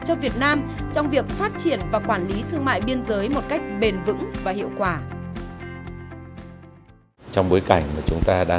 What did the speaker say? cho việt nam trong việc phát triển và quản lý thương mại biên giới một cách bền vững và hiệu quả